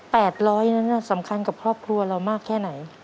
ร้อยนั้นสำคัญกับครอบครัวเรามากแค่ไหน